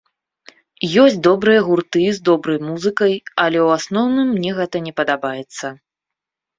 Ёсць добрыя гурты з добрай музыкай, але ў асноўным мне гэта не падабаецца.